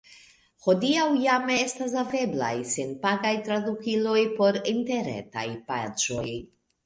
Hodiaŭ jam estas haveblaj senpagaj tradukiloj por interretaj paĝoj.